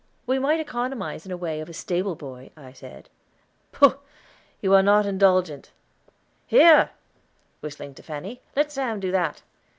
"We might economize in the way of a stable boy," I said. "Pooh! you are not indulgent. Here," whistling to Fanny, "let Sam do that."